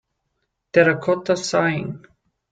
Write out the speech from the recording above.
Terracotta Sighing.